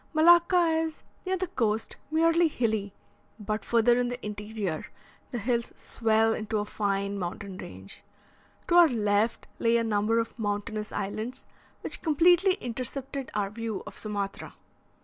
Malacca is, near the coast, merely hilly; but further in the interior the hills swell into a fine mountain range. To our left lay a number of mountainous islands, which completely intercepted our view of Sumatra.